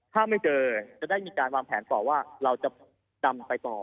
ถ้าไม่เจอจะได้มีการวางแผนต่อว่าเราจะดำไปต่อ